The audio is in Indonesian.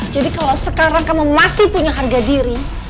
jadi kalau sekarang kamu masih punya harga diri